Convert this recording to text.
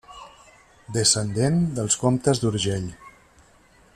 Descendent dels Comtes d'Urgell.